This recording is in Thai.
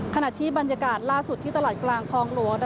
ขณะที่บรรยากาศล่าสุดที่ตลาดกลางคลองหลวง